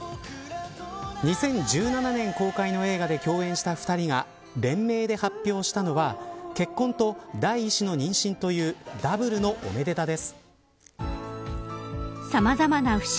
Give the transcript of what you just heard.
２０１７年公開の映画で共演した２人が連名で発表したのは結婚と第１子の妊娠というダブルのおめでたです。